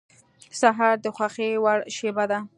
سهار د خوښې وړ شېبه ده.